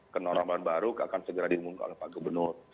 kenormalan baru akan segera diumumkan oleh pak gubernur